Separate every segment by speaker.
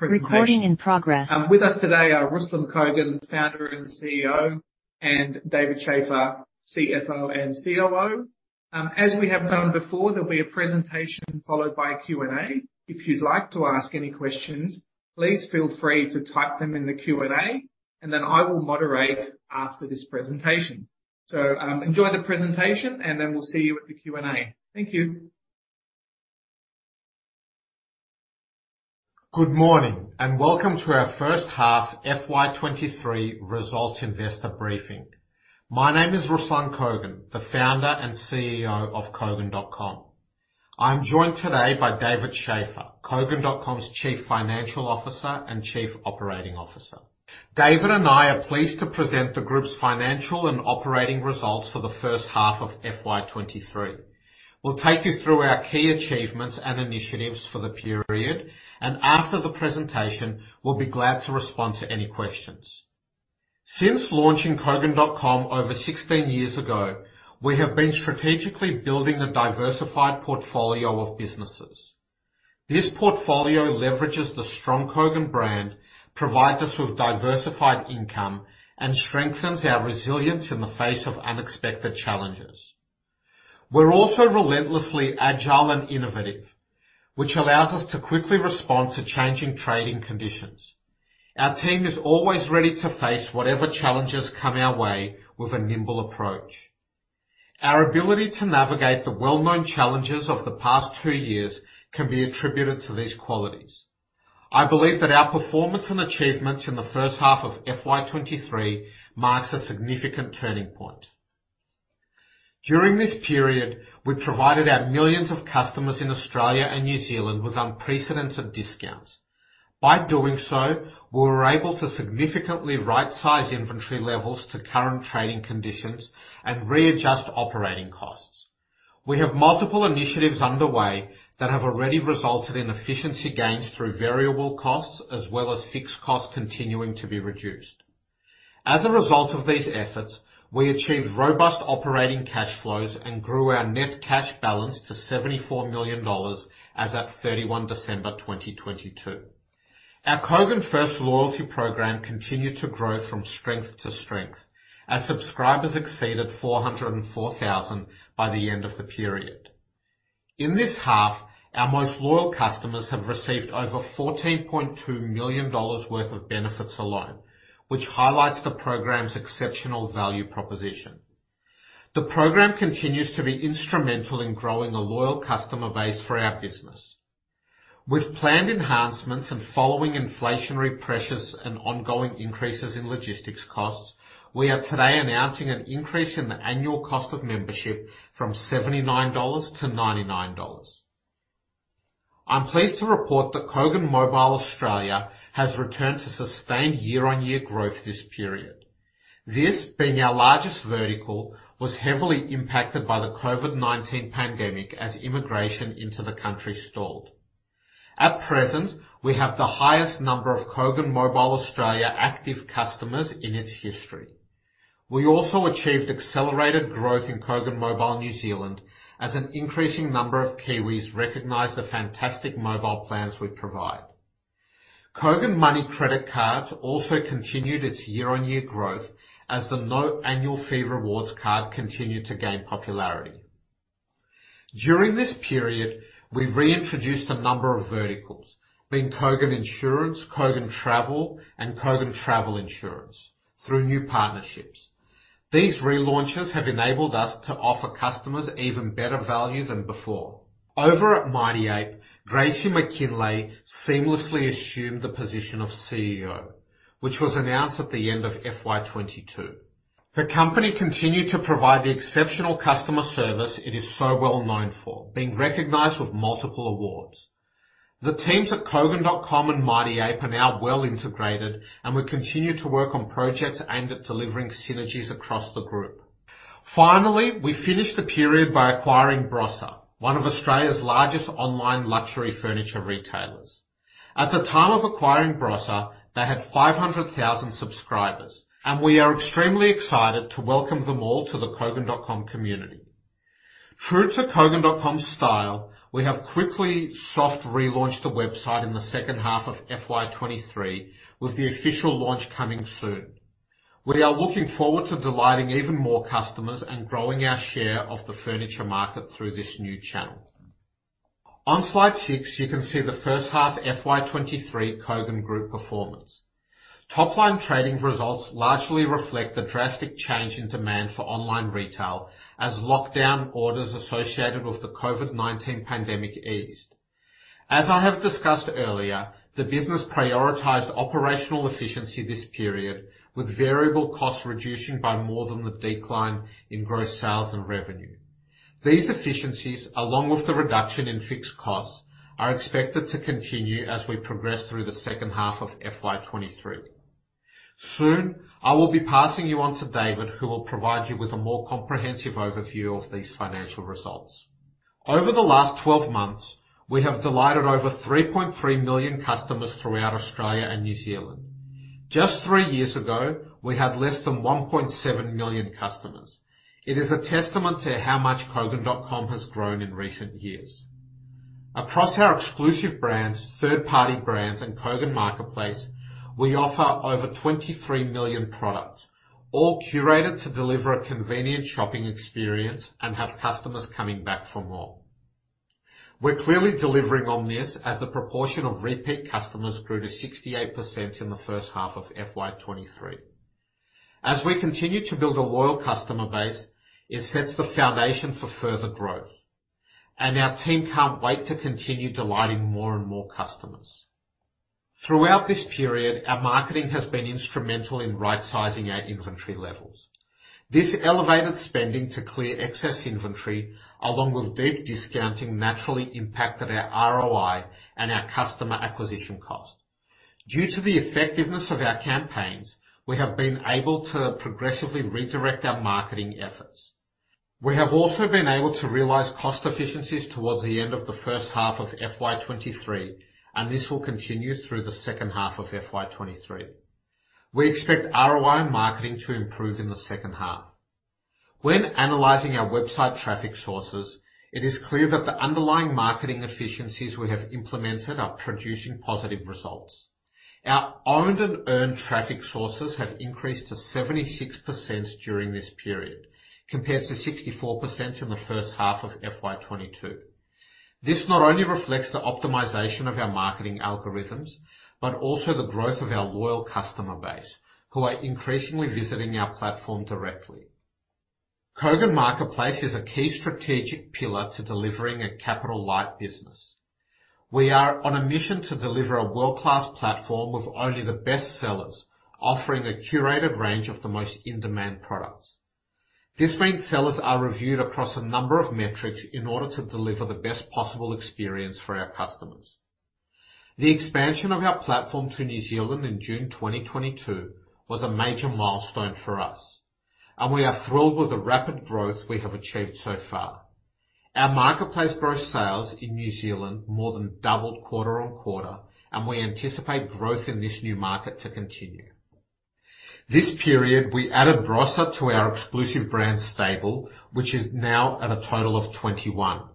Speaker 1: With us today are Ruslan Kogan, Founder and CEO, and David Shafer, CFO and COO. As we have done before, there'll be a presentation followed by a Q&A. If you'd like to ask any questions, please feel free to type them in the Q&A, and then I will moderate after this presentation. Enjoy the presentation, and then we'll see you at the Q&A. Thank you.
Speaker 2: Good morning, and welcome to our H1 FY23 results investor briefing. My name is Ruslan Kogan, the Founder and CEO of Kogan.com. I'm joined today by David Shafer, Kogan.com's Chief Financial Officer and Chief Operating Officer. David and I are pleased to present the group's financial and operating results for the H1 of FY23. We'll take you through our key achievements and initiatives for the period, and after the presentation, we'll be glad to respond to any questions. Since launching Kogan.com over 16 years ago, we have been strategically building a diversified portfolio of businesses. This portfolio leverages the strong Kogan brand, provides us with diversified income, and strengthens our resilience in the face of unexpected challenges. We're also relentlessly agile and innovative, which allows us to quickly respond to changing trading conditions. Our team is always ready to face whatever challenges come our way with a nimble approach. Our ability to navigate the well-known challenges of the past two years can be attributed to these qualities. I believe that our performance and achievements in the H1 of FY23 marks a significant turning point. During this period, we provided our millions of customers in Australia and New Zealand with unprecedented discounts. By doing so, we were able to significantly right-size inventory levels to current trading conditions and readjust operating costs. We have multiple initiatives underway that have already resulted in efficiency gains through variable costs, as well as fixed costs continuing to be reduced. As a result of these efforts, we achieved robust operating cash flows and grew our net cash balance to $74 million as at 31 December 2022. Our Kogan FIRST loyalty program continued to grow from strength to strength. Our subscribers exceeded 404,000 by the end of the period. In this half, our most loyal customers have received over $14.2 million worth of benefits alone, which highlights the program's exceptional value proposition. The program continues to be instrumental in growing a loyal customer base for our business. With planned enhancements and following inflationary pressures and ongoing increases in logistics costs, we are today announcing an increase in the annual cost of membership from $79 to $99. I'm pleased to report that Kogan Mobile Australia has returned to sustained year-on-year growth this period. This being our largest vertical, was heavily impacted by the COVID-19 pandemic as immigration into the country stalled. At present, we have the highest number of Kogan Mobile Australia active customers in its history. We also achieved accelerated growth in Kogan Mobile New Zealand as an increasing number of Kiwis recognize the fantastic mobile plans we provide. Kogan Money credit cards also continued its year-on-year growth as the no annual fee rewards card continued to gain popularity. During this period, we've reintroduced a number of verticals, being Kogan Insurance, Kogan Travel, and Kogan Travel Insurance through new partnerships. These relaunches have enabled us to offer customers even better value than before. Over at Mighty Ape, Gracie MacKinlay seamlessly assumed the position of CEO, which was announced at the end of FY22. The company continued to provide the exceptional customer service it is so well known for, being recognized with multiple awards. The teams at Kogan.com and Mighty Ape are now well integrated. We continue to work on projects aimed at delivering synergies across the group. Finally, we finished the period by acquiring Brosa, one of Australia's largest online luxury furniture retailers. At the time of acquiring Brosa, they had 500,000 subscribers. We are extremely excited to welcome them all to the Kogan.com community. True to Kogan.com's style, we have quickly soft relaunched the website in the H2 of FY23, with the official launch coming soon. We are looking forward to delighting even more customers and growing our share of the furniture market through this new channel. On slide six, you can see the H1 FY23 Kogan Group performance. Topline trading results largely reflect the drastic change in demand for online retail as lockdown orders associated with the COVID-19 pandemic eased. As I have discussed earlier, the business prioritized operational efficiency this period, with variable costs reducing by more than the decline in gross sales and revenue. These efficiencies, along with the reduction in fixed costs, are expected to continue as we progress through the H2 of FY23. Soon, I will be passing you on to David, who will provide you with a more comprehensive overview of these financial results. Over the last 12 months, we have delighted over 3.3 million customers throughout Australia and New Zealand. Just three years ago, we had less than 1.7 million customers. It is a testament to how much Kogan.com has grown in recent years. Across our Exclusive Brands, Third-Party Brands, and Kogan Marketplace, we offer over 23 million products, all curated to deliver a convenient shopping experience and have customers coming back for more. We're clearly delivering on this, as the proportion of repeat customers grew to 68% in the H1 of FY23. As we continue to build a loyal customer base, it sets the foundation for further growth, and our team can't wait to continue delighting more and more customers. Throughout this period, our marketing has been instrumental in right-sizing our inventory levels. This elevated spending to clear excess inventory, along with deep discounting, naturally impacted our ROI and our customer acquisition cost. Due to the effectiveness of our campaigns, we have been able to progressively redirect our marketing efforts. We have also been able to realize cost efficiencies towards the end of the H1 of FY23. This will continue through the H2 of FY23. We expect ROI in marketing to improve in the H2. When analyzing our website traffic sources, it is clear that the underlying marketing efficiencies we have implemented are producing positive results. Our owned and earned traffic sources have increased to 76% during this period, compared to 64% in the H1 of FY22. This not only reflects the optimization of our marketing algorithms, but also the growth of our loyal customer base, who are increasingly visiting our platform directly. Kogan Marketplace is a key strategic pillar to delivering a capital-light business. We are on a mission to deliver a world-class platform with only the best sellers, offering a curated range of the most in-demand products. This means sellers are reviewed across a number of metrics in order to deliver the best possible experience for our customers. The expansion of our platform to New Zealand in June 2022 was a major milestone for us, and we are thrilled with the rapid growth we have achieved so far. Our Marketplace gross sales in New Zealand more than doubled quarter-on-quarter, and we anticipate growth in this new market to continue. This period, we added Brosa to our Exclusive Brands stable, which is now at a total of 21.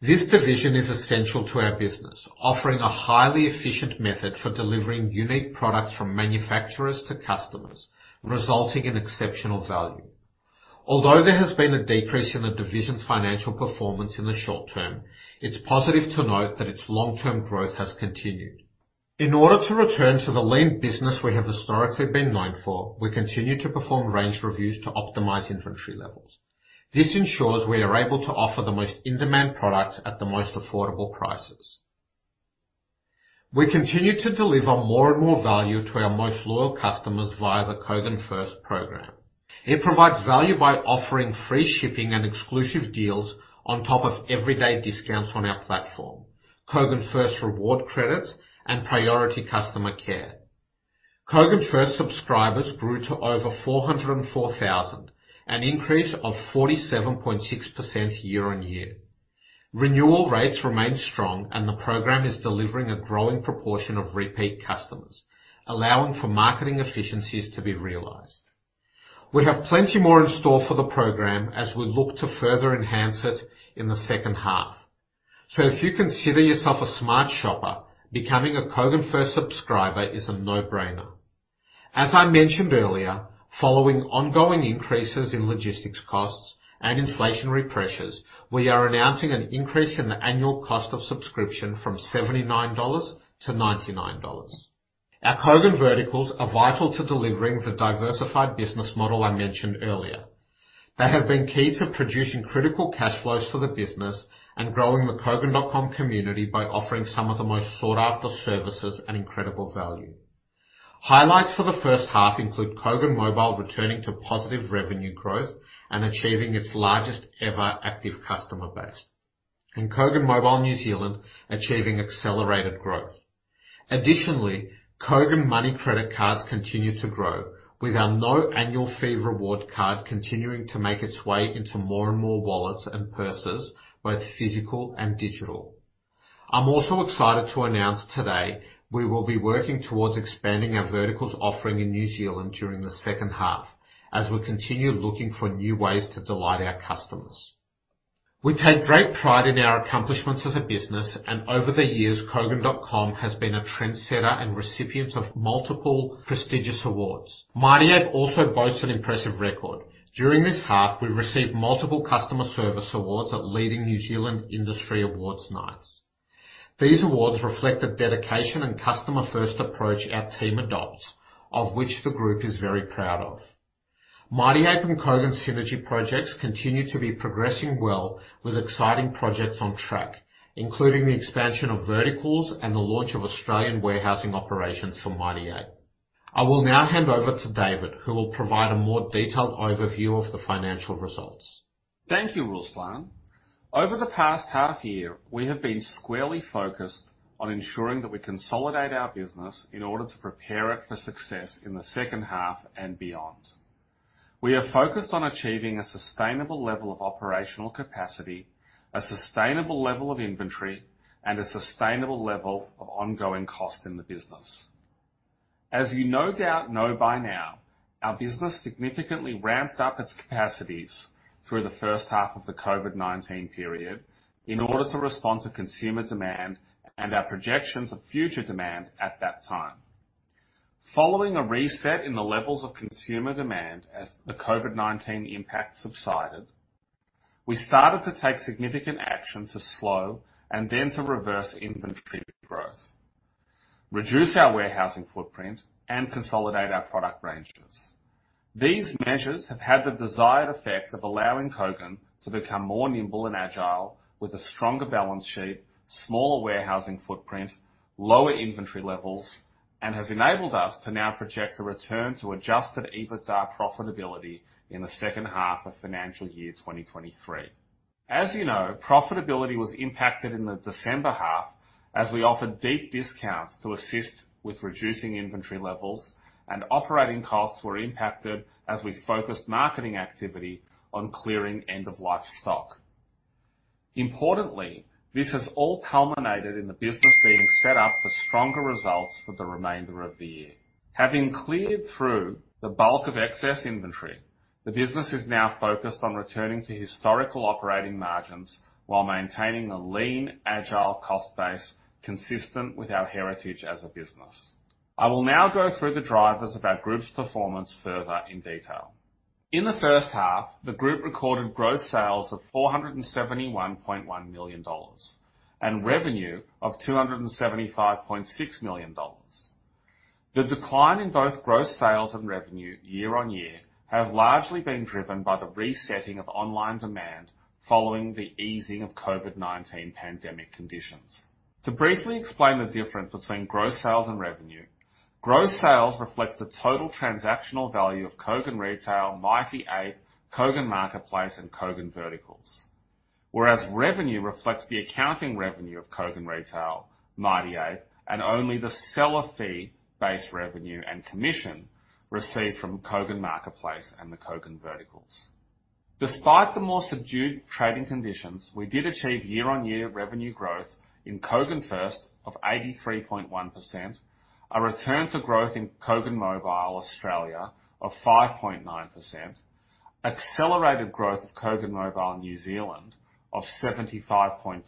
Speaker 2: This division is essential to our business, offering a highly efficient method for delivering unique products from manufacturers to customers, resulting in exceptional value. Although there has been a decrease in the division's financial performance in the short term, it's positive to note that its long-term growth has continued. In order to return to the lean business we have historically been known for, we continue to perform range reviews to optimize inventory levels. This ensures we are able to offer the most in-demand products at the most affordable prices. We continue to deliver more and more value to our most loyal customers via the Kogan FIRST program. It provides value by offering free shipping and exclusive deals on top of everyday discounts on our platform, Kogan FIRST Rewards Credits, and priority customer care. Kogan FIRST subscribers grew to over 404,000, an increase of 47.6% year on year. Renewal rates remain strong, and the program is delivering a growing proportion of repeat customers, allowing for marketing efficiencies to be realized. We have plenty more in store for the program as we look to further enhance it in the H2. If you consider yourself a smart shopper, becoming a Kogan FIRST subscriber is a no-brainer. As I mentioned earlier, following ongoing increases in logistics costs and inflationary pressures, we are announcing an increase in the annual cost of subscription from 79 dollars to 99 dollars. Our Kogan Verticals are vital to delivering the diversified business model I mentioned earlier. They have been key to producing critical cash flows for the business and growing the Kogan.com community by offering some of the most sought-after services and incredible value. Highlights for the H1 include Kogan Mobile returning to positive revenue growth and achieving its largest ever active customer base, and Kogan Mobile New Zealand achieving accelerated growth. Additionally, Kogan Money credit cards continue to grow, with our no annual fee reward card continuing to make its way into more and more wallets and purses, both physical and digital. I'm also excited to announce today we will be working towards expanding our Verticals offering in New Zealand during the H2, as we continue looking for new ways to delight our customers. We take great pride in our accomplishments as a business. Over the years, Kogan.com has been a trendsetter and recipient of multiple prestigious awards. Mighty Ape also boasts an impressive record. During this half, we received multiple customer service awards at leading New Zealand industry awards nights. These awards reflect the dedication and customer-first approach our team adopts, of which the group is very proud of. Mighty Ape and Kogan synergy projects continue to be progressing well, with exciting projects on track, including the expansion of Verticals and the launch of Australian warehousing operations for Mighty Ape. I will now hand over to David, who will provide a more detailed overview of the financial results.
Speaker 3: Thank you, Ruslan. Over the past half year, we have been squarely focused on ensuring that we consolidate our business in order to prepare it for success in the H2 and beyond. We are focused on achieving a sustainable level of operational capacity, a sustainable level of inventory, and a sustainable level of ongoing cost in the business. As you no doubt know by now, our business significantly ramped up its capacities through the H1 of the COVID-19 period in order to respond to consumer demand and our projections of future demand at that time. Following a reset in the levels of consumer demand as the COVID-19 impact subsided, we started to take significant action to slow and then to reverse inventory growth, reduce our warehousing footprint, and consolidate our product ranges. These measures have had the desired effect of allowing Kogan to become more nimble and agile with a stronger balance sheet, smaller warehousing footprint, lower inventory levels, and has enabled us to now project a return to Adjusted EBITDA profitability in the H2 of financial year 2023. As you know, profitability was impacted in the December half as we offered deep discounts to assist with reducing inventory levels and operating costs were impacted as we focused marketing activity on clearing end-of-life stock. Importantly, this has all culminated in the business being set up for stronger results for the remainder of the year. Having cleared through the bulk of excess inventory, the business is now focused on returning to historical operating margins while maintaining a lean, agile cost base consistent with our heritage as a business. I will now go through the drivers of our group's performance further in detail. In the H1, the group recorded gross sales of 471.1 million dollars and revenue of 275.6 million dollars. The decline in both gross sales and revenue year-over-year have largely been driven by the resetting of online demand following the easing of COVID-19 pandemic conditions. To briefly explain the difference between gross sales and revenue, gross sales reflects the total transactional value of Kogan Retail, Mighty Ape, Kogan Marketplace, and Kogan Verticals. Revenue reflects the accounting revenue of Kogan Retail, Mighty Ape, and only the seller fee-based revenue and commission received from Kogan Marketplace and the Kogan Verticals. Despite the more subdued trading conditions, we did achieve year-on-year revenue growth in Kogan FIRST of 83.1%, a return to growth in Kogan Mobile Australia of 5.9%, accelerated growth of Kogan Mobile New Zealand of 75.3%,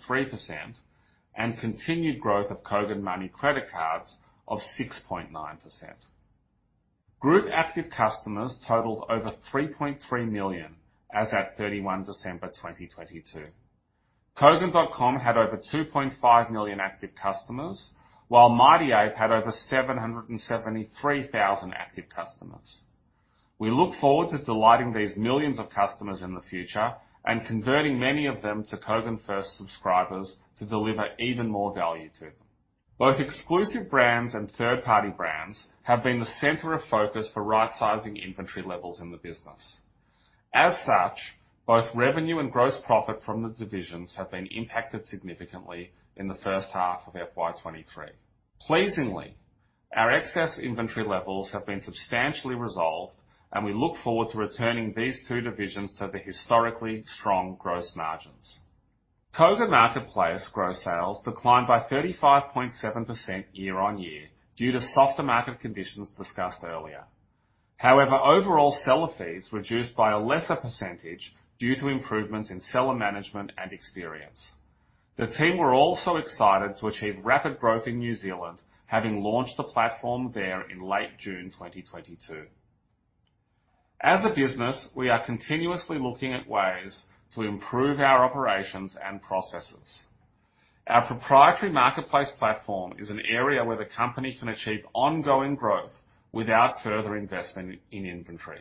Speaker 3: and continued growth of Kogan Money credit cards of 6.9%. Group active customers totaled over 3.3 million as at 31 December 2022. Kogan.com had over 2.5 million active customers, while Mighty Ape had over 773,000 active customers. We look forward to delighting these millions of customers in the future and converting many of them to Kogan FIRST subscribers to deliver even more value to them. Both Exclusive Brands and Third-Party Brands have been the center of focus for right-sizing inventory levels in the business. As such, both revenue and gross profit from the divisions have been impacted significantly in the H1 of FY23. Pleasingly, our excess inventory levels have been substantially resolved, and we look forward to returning these two divisions to the historically strong gross margins. Kogan Marketplace gross sales declined by 35.7% year-on-year due to softer market conditions discussed earlier. However, overall seller fees reduced by a lesser percentage due to improvements in seller management and experience. The team were also excited to achieve rapid growth in New Zealand, having launched the platform there in late June 2022. As a business, we are continuously looking at ways to improve our operations and processes. Our proprietary marketplace platform is an area where the company can achieve ongoing growth without further investment in inventory.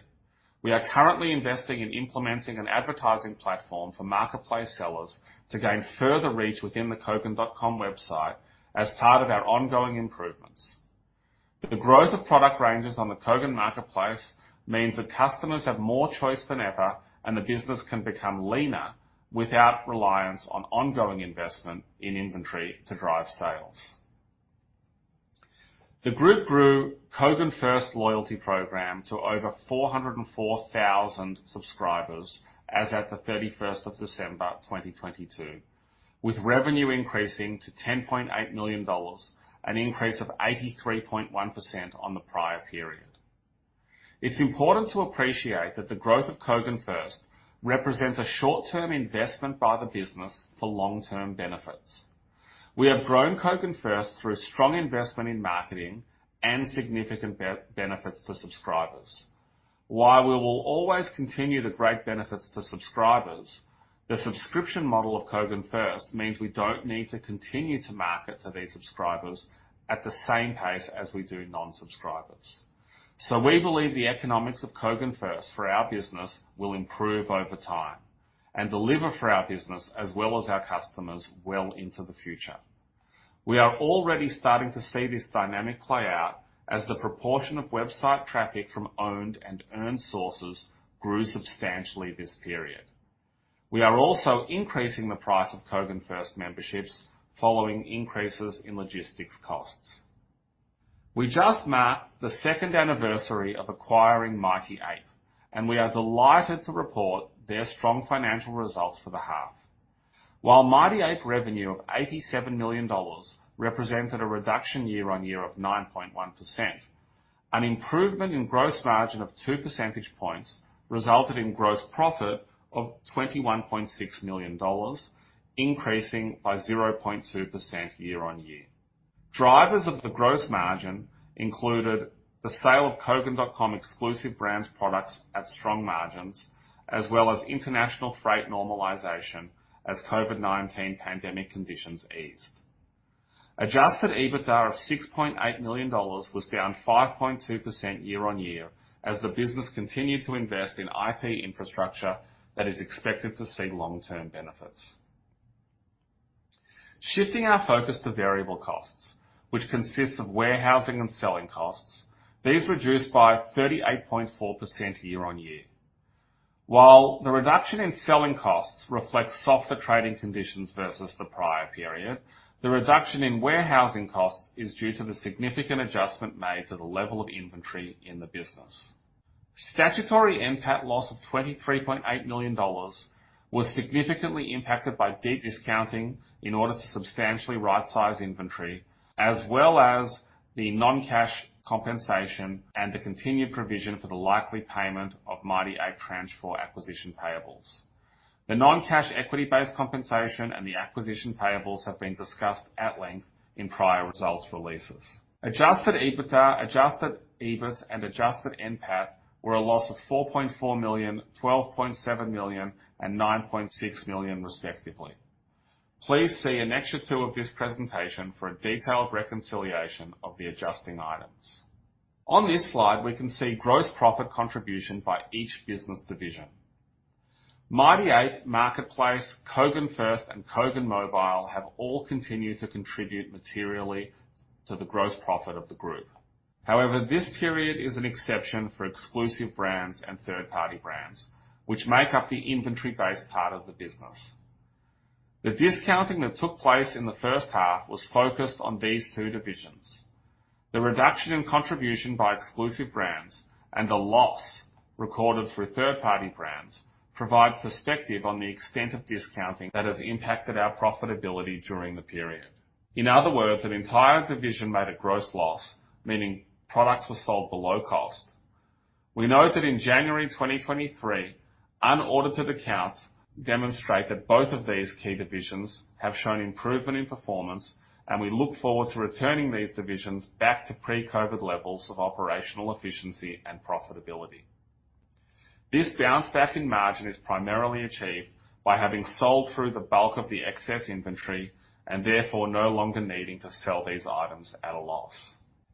Speaker 3: We are currently investing in implementing an advertising platform for marketplace sellers to gain further reach within the Kogan.com website as part of our ongoing improvements. The growth of product ranges on the Kogan Marketplace means that customers have more choice than ever, and the business can become leaner without reliance on ongoing investment in inventory to drive sales. The group grew Kogan FIRST loyalty program to over 404,000 subscribers as at the 31st of December 2022, with revenue increasing to $10.8 million, an increase of 83.1% on the prior period. It's important to appreciate that the growth of Kogan FIRST represents a short-term investment by the business for long-term benefits. We have grown Kogan FIRST through strong investment in marketing and significant benefits to subscribers. While we will always continue the great benefits to subscribers, the subscription model of Kogan FIRST means we don't need to continue to market to these subscribers at the same pace as we do non-subscribers. We believe the economics of Kogan FIRST for our business will improve over time and deliver for our business as well as our customers well into the future. We are already starting to see this dynamic play out as the proportion of website traffic from owned and earned sources grew substantially this period. We are also increasing the price of Kogan FIRST memberships following increases in logistics costs. We just marked the second anniversary of acquiring Mighty Ape, and we are delighted to report their strong financial results for the half. While Mighty Ape revenue of NZD 87 million represented a reduction year-on-year of 9.1%, an improvement in gross margin of 2 percentage points resulted in gross profit of 21.6 million dollars, increasing by 0.2% year-on-year. Drivers of the gross margin included the sale of Kogan.com Exclusive Brands products at strong margins, as well as international freight normalization as COVID-19 pandemic conditions eased. Adjusted EBITDA of 6.8 million dollars was down 5.2% year-on-year as the business continued to invest in IT infrastructure that is expected to see long-term benefits. Shifting our focus to variable costs, which consists of warehousing and selling costs, these reduced by 38.4% year-on-year. While the reduction in selling costs reflects softer trading conditions versus the prior period, the reduction in warehousing costs is due to the significant adjustment made to the level of inventory in the business. Statutory NPAT loss of $23.8 million was significantly impacted by deep discounting in order to substantially right-size inventory, as well as the non-cash compensation and the continued provision for the likely payment of Mighty Ape Tranche four acquisition payables. The non-cash equity-based compensation and the acquisition payables have been discussed at length in prior results releases. Adjusted EBITDA, Adjusted EBIT, and Adjusted NPAT were a loss of $4.4 million, $12.7 million, and $9.6 million, respectively. Please see annexure two of this presentation for a detailed reconciliation of the adjusting items. On this slide, we can see gross profit contribution by each business division. Mighty Ape, Marketplace, Kogan FIRST, and Kogan Mobile have all continued to contribute materially to the gross profit of the group. This period is an exception for Exclusive Brands and Third-Party Brands, which make up the inventory-based part of the business. The discounting that took place in the H1 was focused on these two divisions. The reduction in contribution by Exclusive Brands and the loss recorded through Third-Party Brands provides perspective on the extent of discounting that has impacted our profitability during the period. In other words, an entire division made a gross loss, meaning products were sold below cost. We note that in January 2023, unaudited accounts demonstrate that both of these key divisions have shown improvement in performance, and we look forward to returning these divisions back to pre-COVID levels of operational efficiency and profitability. This bounce back in margin is primarily achieved by having sold through the bulk of the excess inventory and therefore no longer needing to sell these items at a loss.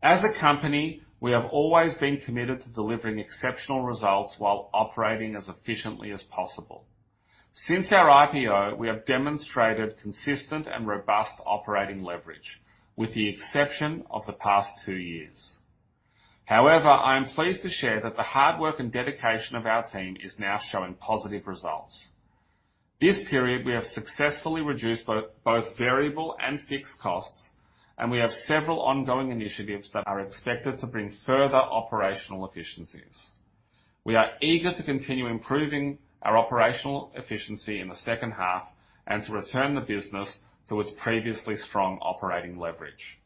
Speaker 3: As a company, we have always been committed to delivering exceptional results while operating as efficiently as possible. Since our IPO, we have demonstrated consistent and robust operating leverage, with the exception of the past two years. I am pleased to share that the hard work and dedication of our team is now showing positive results. This period, we have successfully reduced both variable and fixed costs, and we have several ongoing initiatives that are expected to bring further operational efficiencies. We are eager to continue improving our operational efficiency in the H2 and to return the business to its previously strong operating leverage.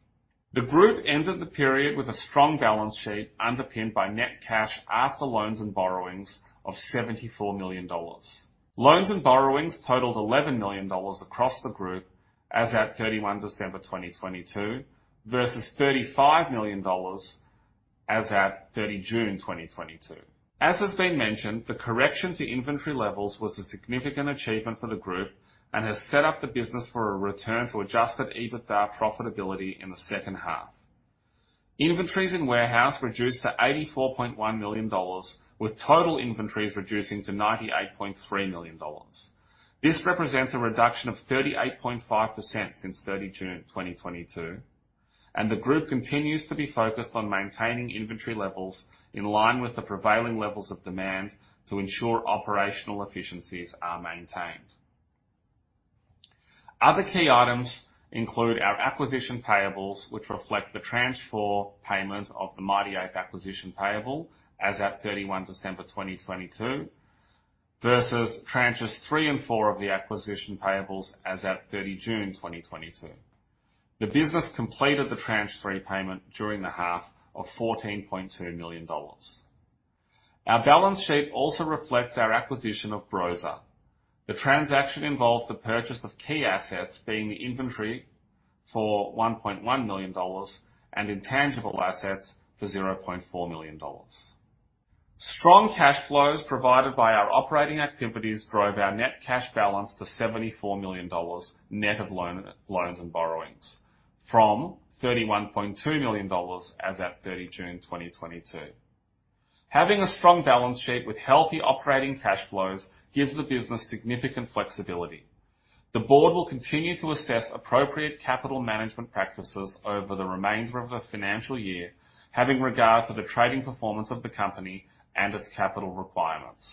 Speaker 3: The group ended the period with a strong balance sheet underpinned by net cash after loans and borrowings of $74 million. Loans and borrowings totaled $11 million across the group as at 31 December 2022 versus $35 million as at 30 June 2022. As has been mentioned, the correction to inventory levels was a significant achievement for the group and has set up the business for a return to Adjusted EBITDA profitability in the H2. Inventories in warehouse reduced to $84.1 million, with total inventories reducing to $98.3 million. This represents a reduction of 38.5% since 30 June 2022, and the group continues to be focused on maintaining inventory levels in line with the prevailing levels of demand to ensure operational efficiencies are maintained. Other key items include our acquisition payables, which reflect the Tranche four payment of the Mighty Ape acquisition payable as at thirty-one December 2022 versus tranches three and four of the acquisition payables as at thirty June 2022. The business completed the Tranche three payment during the half of 14.2 million dollars. Our balance sheet also reflects our acquisition of Brosa. The transaction involved the purchase of key assets being the inventory for 1.1 million dollars and intangible assets for 0.4 million dollars. Strong cash flows provided by our operating activities drove our net cash balance to AUD 74 million net of loans and borrowings from AUD 31.2 million as at thirty June 2022. Having a strong balance sheet with healthy operating cash flows gives the business significant flexibility. The board will continue to assess appropriate capital management practices over the remainder of the financial year, having regard to the trading performance of the company and its capital requirements.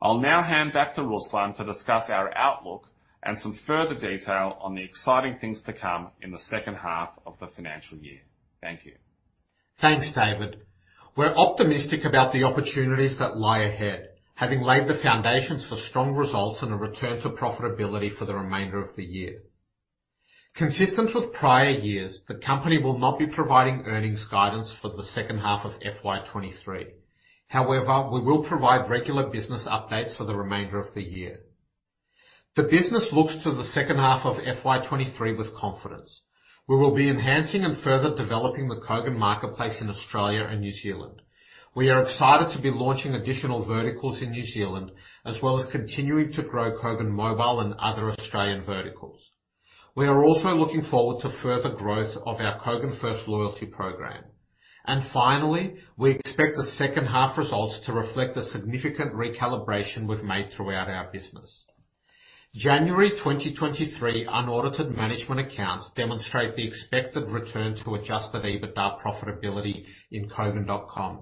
Speaker 3: I'll now hand back to Ruslan to discuss our outlook and some further detail on the exciting things to come in the H2 of the financial year. Thank you.
Speaker 2: Thanks, David. We're optimistic about the opportunities that lie ahead, having laid the foundations for strong results and a return to profitability for the remainder of the year. Consistent with prior years, the company will not be providing earnings guidance for the H2 of FY23. However, we will provide regular business updates for the remainder of the year. The business looks to the H2 of FY23 with confidence. We will be enhancing and further developing the Kogan Marketplace in Australia and New Zealand. We are excited to be launching additional verticals in New Zealand, as well as continuing to grow Kogan Mobile and other Australian verticals. We are also looking forward to further growth of our Kogan FIRST loyalty program. Finally, we expect the H2 results to reflect the significant recalibration we've made throughout our business. January 2023 unaudited management accounts demonstrate the expected return to Adjusted EBITDA profitability in Kogan.com,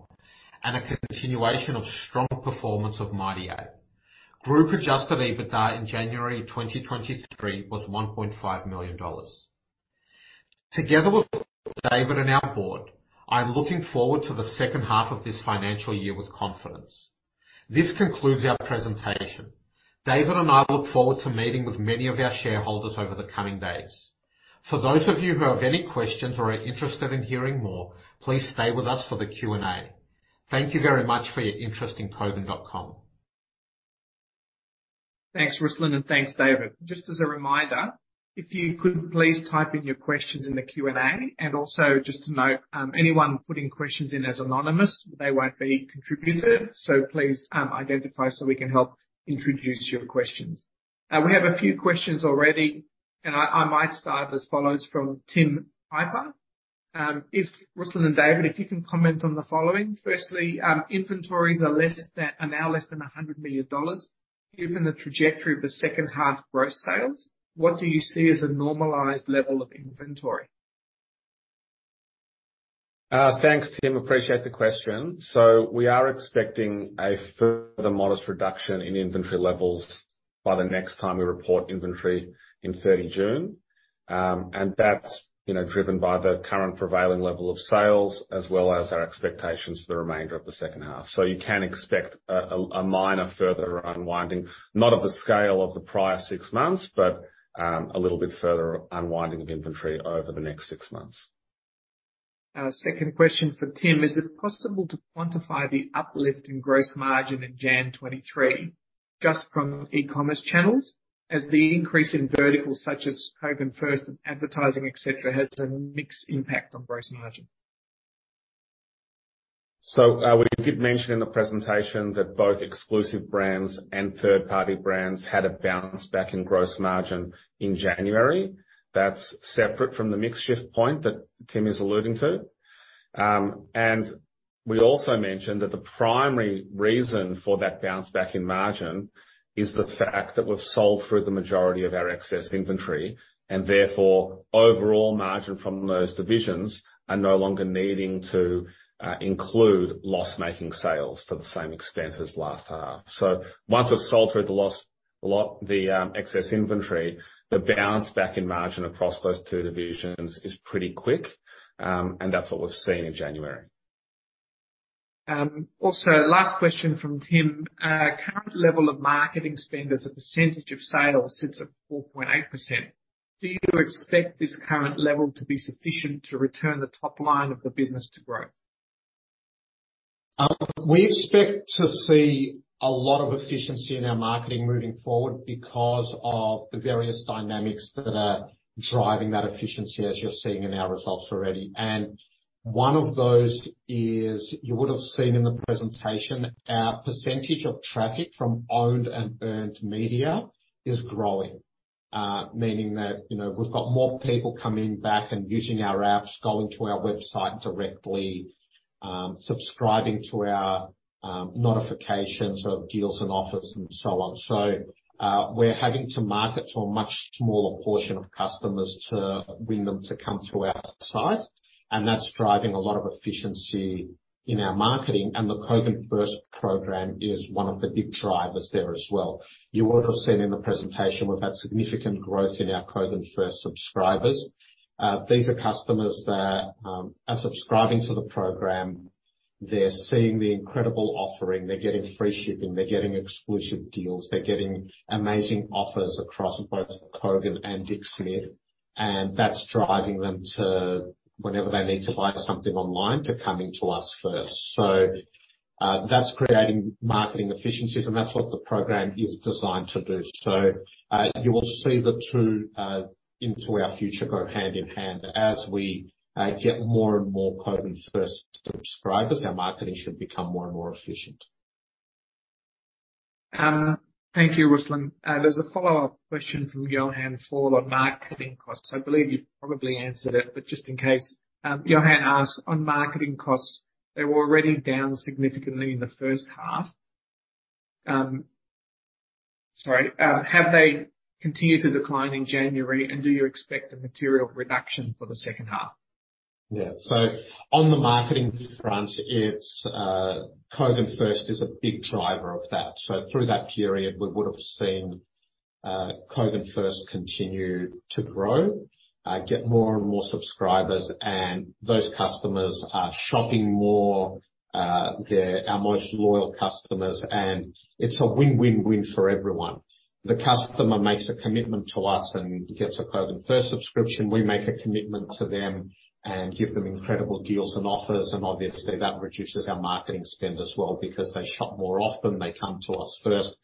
Speaker 2: and a continuation of strong performance of Mighty Ape. Group Adjusted EBITDA in January 2023 was 1.5 million. Together with David and our board, I'm looking forward to the H2 of this financial year with confidence. This concludes our presentation. David and I look forward to meeting with many of our shareholders over the coming days. For those of you who have any questions or are interested in hearing more, please stay with us for the Q&A. Thank you very much for your interest in Kogan.com.
Speaker 1: Thanks, Ruslan, thanks, David. Just as a reminder, if you could please type in your questions in the Q&A. Also, just to note, anyone putting questions in as anonymous, they won't be contributed. Please identify so we can help introduce your questions. We have a few questions already, I might start as follows from Tim Piper. If Ruslan and David, if you can comment on the following. Firstly, inventories are now less than 100 million dollars. Given the trajectory of the H2 gross sales, what do you see as a normalized level of inventory?
Speaker 3: Thanks, Tim. Appreciate the question. We are expecting a further modest reduction in inventory levels by the next time we report inventory in 30 June. And that's, you know, driven by the current prevailing level of sales, as well as our expectations for the remainder of the H2. You can expect a minor further unwinding, not of the scale of the prior six months, but a little bit further unwinding of inventory over the next six months. Second question for Tim. Is it possible to quantify the uplift in gross margin in January 2023 just from e-commerce channels, as the increase in verticals such as Kogan FIRST and advertising, et cetera, has a mixed impact on gross margin? We did mention in the presentation that both Exclusive Brands and Third-Party Brands had a bounce back in gross margin in January. That's separate from the mix shift point that Tim is alluding to. We also mentioned that the primary reason for that bounce back in margin is the fact that we've sold through the majority of our excess inventory, and therefore, overall margin from those divisions are no longer needing to include loss-making sales to the same extent as last half. Once we've sold through the excess inventory, the bounce back in margin across those two divisions is pretty quick. That's what we've seen in January.
Speaker 1: Last question from Tim. Current level of marketing spend as a percentage of sales sits at 4.8%. Do you expect this current level to be sufficient to return the top line of the business to growth?
Speaker 2: We expect to see a lot of efficiency in our marketing moving forward because of the various dynamics that are driving that efficiency, as you're seeing in our results already. And one of those is, you would have seen in the presentation, our percentage of traffic from owned and earned media is growing. Meaning that, you know, we've got more people coming back and using our apps, going to our website directly, subscribing to our notifications of deals and offers and so on. So, we're having to market to a much smaller portion of customers to win them to come to our site, and that's driving a lot of efficiency in our marketing. And the Kogan FIRST program is one of the big drivers there as well. You would have seen in the presentation, we've had significant growth in our Kogan FIRST subscribers. These are customers that are subscribing to the program. They're seeing the incredible offering. They're getting free shipping. They're getting exclusive deals. They're getting amazing offers across both Kogan and Dick Smith. That's driving them to, whenever they need to buy something online, to coming to us first. That's creating marketing efficiencies, and that's what the program is designed to do. You will see the two into our future go hand in hand. As we get more and more Kogan FIRST subscribers, our marketing should become more and more efficient.
Speaker 1: Thank you, Ruslan. There's a follow-up question from Jolyn Goh on marketing costs. I believe you've probably answered it, but just in case. Jolyn asked, on marketing costs, they were already down significantly in the H1. Sorry, have they continued to decline in January and do you expect a material reduction for the H2?
Speaker 2: On the marketing front, it's, Kogan FIRST is a big driver of that. Through that period, we would have seen, Kogan FIRST continue to grow, get more and more subscribers, and those customers are shopping more. They're our most loyal customers, and it's a win-win-win for everyone. The customer makes a commitment to us and gets a Kogan FIRST subscription. We make a commitment to them and give them incredible deals and offers, and obviously, that reduces our marketing spend as well because they shop more often. They come to us first,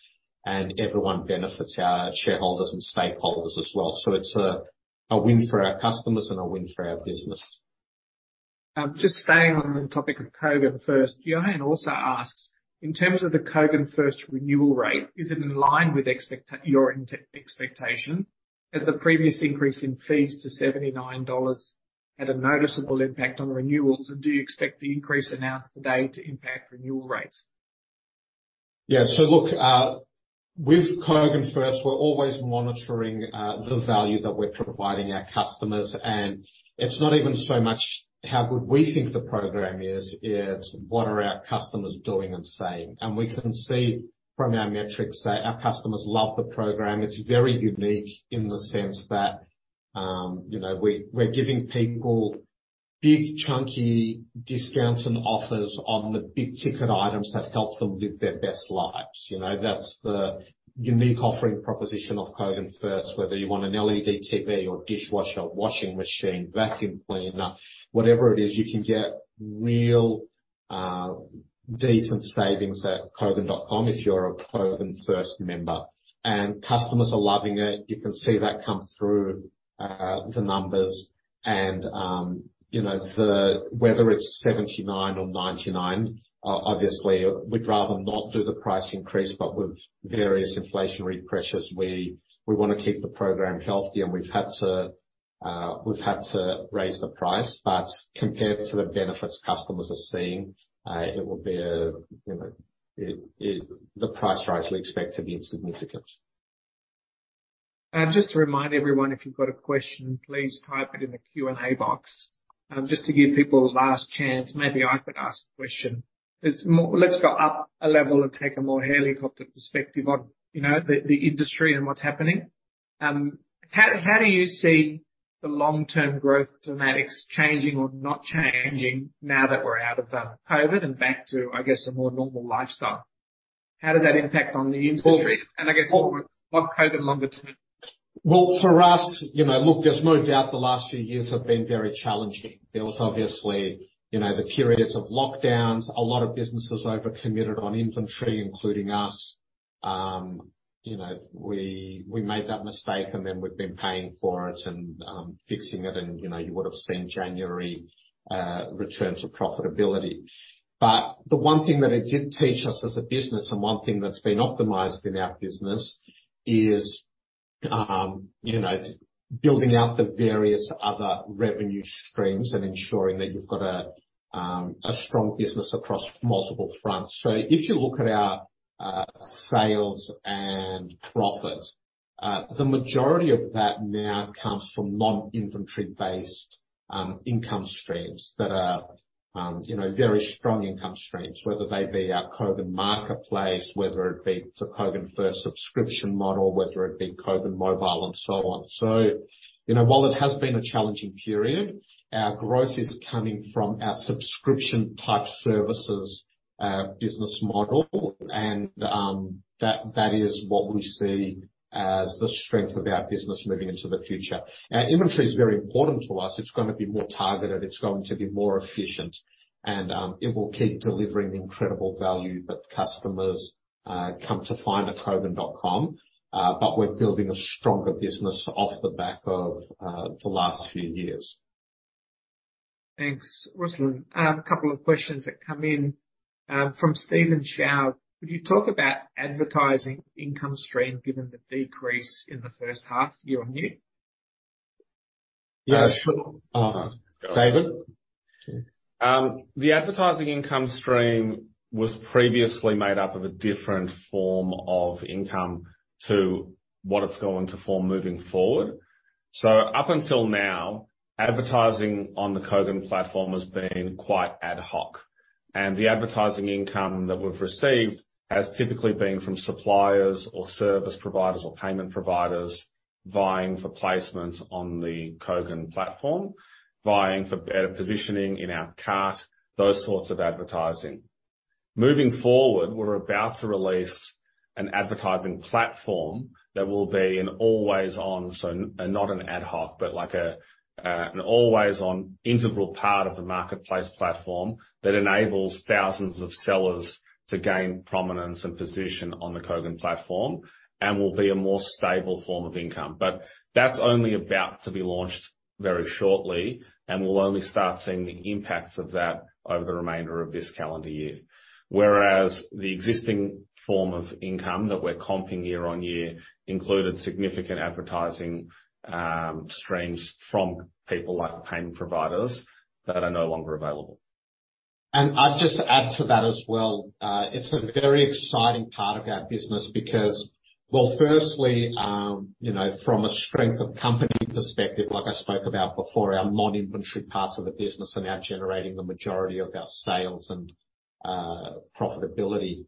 Speaker 2: and everyone benefits, our shareholders and stakeholders as well. It's a win for our customers and a win for our business.
Speaker 1: Just staying on the topic of Kogan FIRST, Johann also asks, in terms of the Kogan FIRST renewal rate, is it in line with your expectation? Has the previous increase in fees to $79 had a noticeable impact on renewals, and do you expect the increase announced today to impact renewal rates?
Speaker 2: Yeah. With Kogan FIRST, we're always monitoring the value that we're providing our customers, and it's not even so much how good we think the program is. It's what are our customers doing and saying. We can see from our metrics that our customers love the program. It's very unique in the sense that, you know, we're giving people big chunky discounts and offers on the big-ticket items that helps them live their best lives. You know, that's the unique offering proposition of Kogan FIRST. Whether you want an LED TV or dishwasher, washing machine, vacuum cleaner, whatever it is, you can get real decent savings at Kogan.com if you're a Kogan FIRST member. Customers are loving it. You can see that come through, the numbers and, you know, Whether it's 79 or 99, obviously we'd rather not do the price increase, but with various inflationary pressures, we wanna keep the program healthy and we've had to raise the price. Compared to the benefits customers are seeing, it will be a, you know, the price rise we expect to be insignificant.
Speaker 1: Just to remind everyone, if you've got a question, please type it in the Q&A box. Just to give people a last chance, maybe I could ask a question. Let's go up a level and take a more helicopter perspective on, you know, the industry and what's happening. How do you see the long-term growth thematics changing or not changing now that we're out of COVID and back to, I guess, a more normal lifestyle? How does that impact on the industry and I guess post COVID longer term?
Speaker 2: Well, for us, you know, look, there's no doubt the last few years have been very challenging. There was obviously, you know, the periods of lockdowns. A lot of businesses overcommitted on inventory, including us. You know, we made that mistake and then we've been paying for it and fixing it and, you know, you would have seen January return to profitability. The one thing that it did teach us as a business, and one thing that's been optimized in our business is, you know, building out the various other revenue streams and ensuring that you've got a strong business across multiple fronts. If you look at our sales and profit, the majority of that now comes from non-inventory based income streams that are, you know, very strong income streams. Whether they be our Kogan Marketplace, whether it be the Kogan FIRST subscription model, whether it be Kogan Mobile and so on. You know, while it has been a challenging period, our growth is coming from our subscription-type services, business model. That is what we see as the strength of our business moving into the future. Our inventory is very important to us. It's going to be more targeted, it's going to be more efficient, and it will keep delivering incredible value that customers come to find at Kogan.com. We're building a stronger business off the back of the last few years.
Speaker 1: Thanks, Ruslan. A couple of questions that come in, from Steven Ye. Could you talk about advertising income stream given the decrease in the H1 year-on-year?
Speaker 2: Yes. David?
Speaker 3: The advertising income stream was previously made up of a different form of income to what it's going to form moving forward. Up until now, advertising on the Kogan platform has been quite ad hoc, and the advertising income that we've received has typically been from suppliers or service providers or payment providers vying for placement on the Kogan platform, vying for better positioning in our cart, those sorts of advertising. Moving forward, we're about to release an advertising platform that will be an always-on, so not an ad hoc, but an always-on integral part of the marketplace platform that enables thousands of sellers to gain prominence and position on the Kogan platform and will be a more stable form of income. That's only about to be launched very shortly, and we'll only start seeing the impacts of that over the remainder of this calendar year. Whereas the existing form of income that we're comping year on year included significant advertising, streams from people like payment providers that are no longer available.
Speaker 2: I'd just add to that as well. It's a very exciting part of our business because... Well, firstly, you know, from a strength of company perspective, like I spoke about before, our non-inventory parts of the business are now generating the majority of our sales and profitability.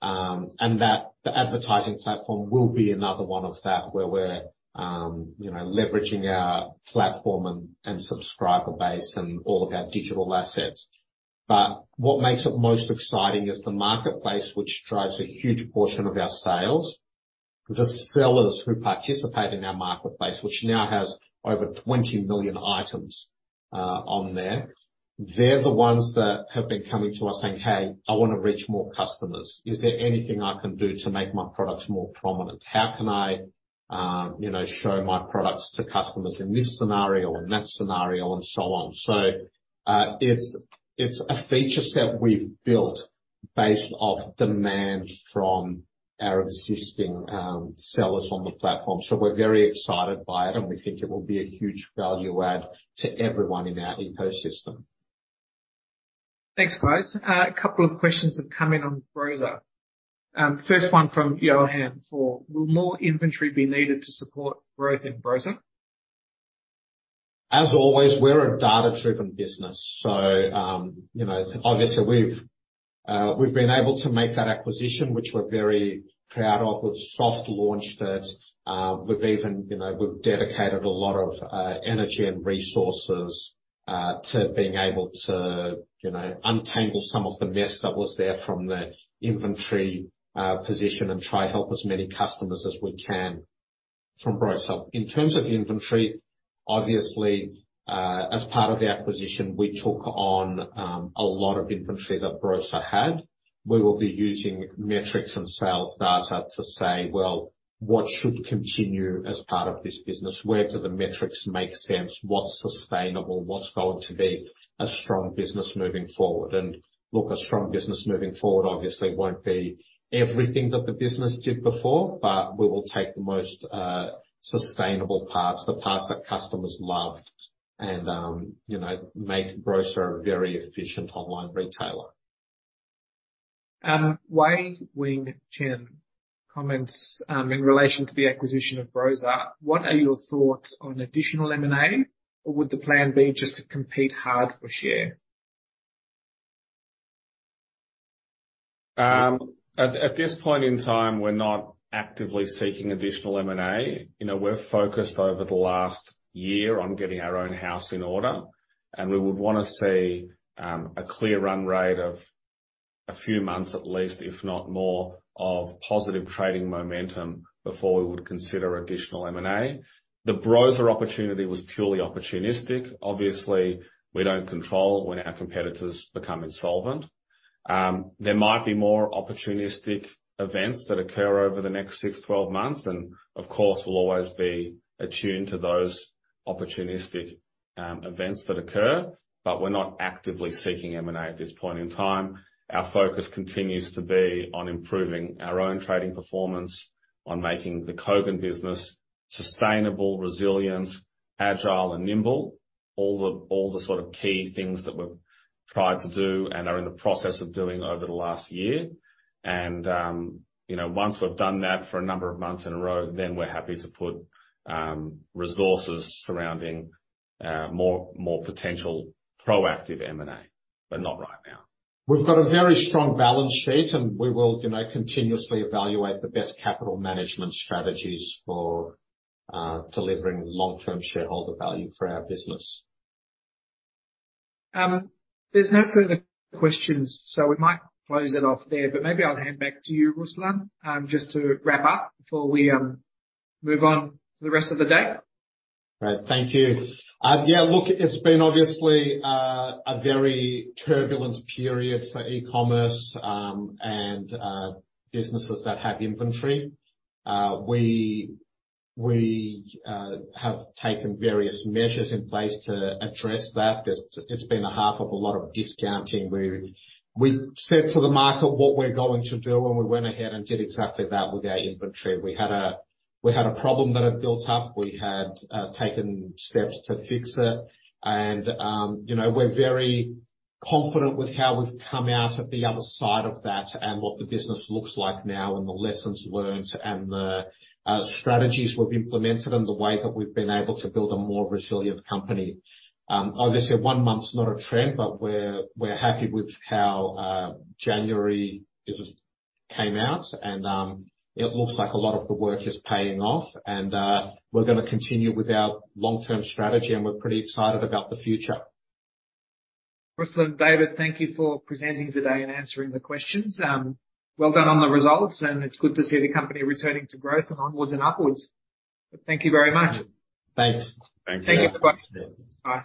Speaker 2: The advertising platform will be another one of that where we're, you know, leveraging our platform and subscriber base and all of our digital assets. What makes it most exciting is the marketplace, which drives a huge portion of our sales. The sellers who participate in our marketplace, which now has over 20 million items on there. They're the ones that have been coming to us saying, "Hey, I wanna reach more customers. Is there anything I can do to make my products more prominent? How can I, you know, show my products to customers in this scenario and that scenario?" So on. It's a feature set we've built based off demand from our existing sellers on the platform. We're very excited by it, and we think it will be a huge value add to everyone in our ecosystem.
Speaker 1: Thanks, guys. A couple of questions have come in on Brosa. First one from Johann. Will more inventory be needed to support growth in Brosa?
Speaker 2: As always, we're a data-driven business. You know, obviously, we've been able to make that acquisition, which we're very proud of. We've soft launched it. We've even, you know, we've dedicated a lot of energy and resources to being able to, you know, untangle some of the mess that was there from the inventory position and try to help as many customers as we can from Brosa. In terms of inventory, obviously, as part of the acquisition, we took on a lot of inventory that Brosa had. We will be using metrics and sales data to say, well, what should continue as part of this business? Where do the metrics make sense? What's sustainable? What's going to be a strong business moving forward? Look, a strong business moving forward obviously won't be everything that the business did before, but we will take the most sustainable parts, the parts that customers loved, and, you know, make Brosa a very efficient online retailer.
Speaker 1: Wei-Weng Chen comments, in relation to the acquisition of Brosa. What are your thoughts on additional M&A, or would the plan be just to compete hard for share?
Speaker 3: At this point in time, we're not actively seeking additional M&A. You know, we're focused over the last year on getting our own house in order, and we would wanna see a clear run rate of a few months, at least, if not more, of positive trading momentum before we would consider additional M&A. The Brosa opportunity was purely opportunistic. Obviously, we don't control when our competitors become insolvent. There might be more opportunistic events that occur over the next six, 12 months and, of course, we'll always be attuned to those opportunistic events that occur. We're not actively seeking M&A at this point in time. Our focus continues to be on improving our own trading performance, on making the Kogan business sustainable, resilient, agile and nimble. All the sort of key things that we've tried to do and are in the process of doing over the last year. You know, once we've done that for a number of months in a row, then we're happy to put resources surrounding more potential proactive M&A. Not right now.
Speaker 2: We've got a very strong balance sheet, and we will, you know, continuously evaluate the best capital management strategies for delivering long-term shareholder value for our business.
Speaker 1: There's no further questions, we might close it off there. Maybe I'll hand back to you, Ruslan, just to wrap up before we move on to the rest of the day.
Speaker 2: Great. Thank you. Yeah, look, it's been obviously a very turbulent period for e-commerce, and businesses that have inventory. We have taken various measures in place to address that. It's been a half of a lot of discounting. We said to the market what we're going to do, and we went ahead and did exactly that with our inventory. We had a problem that had built up. We had taken steps to fix it. You know, we're very confident with how we've come out at the other side of that and what the business looks like now and the lessons learned and the strategies we've implemented and the way that we've been able to build a more resilient company. Obviously, one month's not a trend, but we're happy with how January business came out. It looks like a lot of the work is paying off. We're gonna continue with our long-term strategy, and we're pretty excited about the future.
Speaker 1: Ruslan Kogan, David Shafer, thank you for presenting today and answering the questions. Well done on the results, and it's good to see the company returning to growth and onwards and upwards. Thank you very much.
Speaker 2: Thanks.
Speaker 3: Thank you.
Speaker 1: Thank you. Bye.